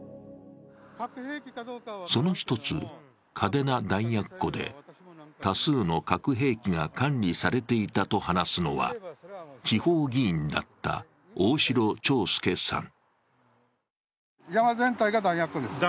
その１つ、嘉手納弾薬庫で多数の核兵器が管理されていたと話すのは、地方議員だった大城朝助さん。